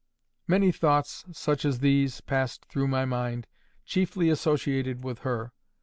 Many thoughts such as these passed through my mind, chiefly associated with her.